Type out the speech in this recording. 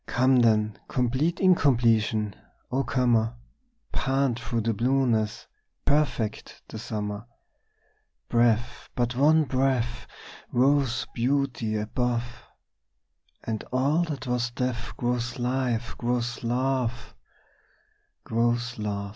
Come then, complete incompletion, O comer, Pant through the blueness, perfect the summer! Breathe but one breath Rose beauty above, And all that was death Grows life, grows love, Grows love!